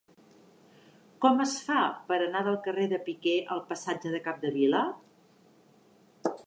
Com es fa per anar del carrer de Piquer al passatge de Capdevila?